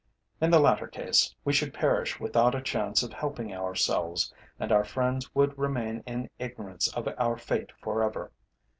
In the latter case we should perish without a chance of helping ourselves, and our friends would remain in ignorance of our fate for ever.